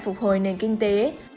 phục hồi nền kinh tế